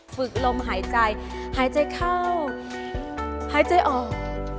ฝึกลมหายใจหายใจเข้าหายใจออก